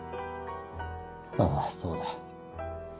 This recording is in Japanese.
ああそうだ。